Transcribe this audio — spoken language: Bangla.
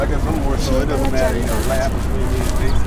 সেই তালার চাবি কার কাছে?